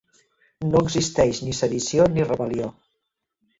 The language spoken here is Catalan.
No existeix ni sedició ni rebel•lió.